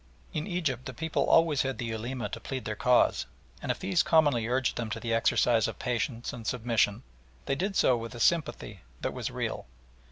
In Egypt the people always had the Ulema to plead their cause, and if these commonly urged them to the exercise of patience and submission, they did so with a sympathy that was real.